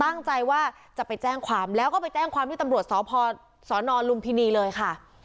ตั้งใจว่าจะไปแจ้งความแล้วก็ไปแจ้งความที่ตำรวจสพสนลุมพินีเลยค่ะ